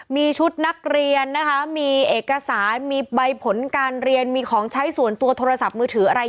มีชุดนักเรียนนะคะมีเอกสารมีใบผลการเรียนมีของใช้ส่วนตัวโทรศัพท์มือถืออะไร